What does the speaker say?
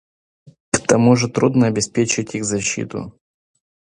К тому же трудно обеспечить их защиту.